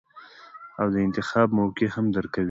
او د انتخاب موقع هم درکوي -